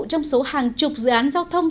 trong số hàng chục dự án giao thông